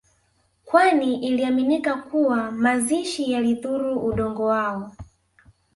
kwani iliaminika kuwa mazishi yalidhuru Udongo wao